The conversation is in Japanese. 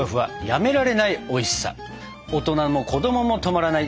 大人も子供も止まらない。